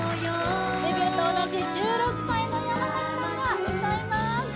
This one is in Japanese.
デビューと同じ１６歳の山さんが歌います・ナイス！